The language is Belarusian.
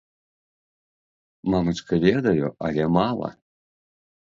Мамачка, ведаю, але мала.